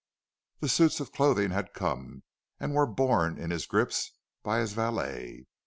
The suits of clothing had come, and were borne in his grips by his valet.